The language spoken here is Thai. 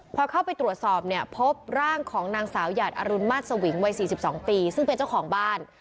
พอเข้าไปตรวจสอบเนี่ยพบร่างของนางสาวหยาดอรุณมาตรสวิงวัย๔๒ปีซึ่งเป็นเจ้าของบ้าน